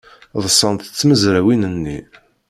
Ḍṣant tmezrawin-nni.